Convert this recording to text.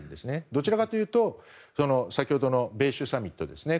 どちらかというと先ほどの米州サミットですね。